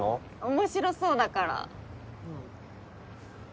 面白そうだから。